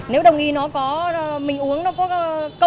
nếu đồng y nó có mình uống nó có công gì